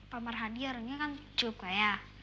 pamer hadirnya kan cukup kaya